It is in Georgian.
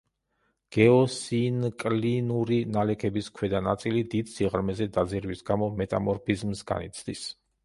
გეოსინკლინური ნალექების ქვედა ნაწილი დიდ სიღრმეზე დაძირვის გამო მეტამორფიზმს განიცდის.